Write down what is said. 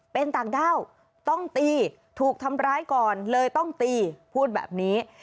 เป็นต่างด้าวต้องตีถูกทำร้ายก่อนเลยต้องตีพูดแบบนี้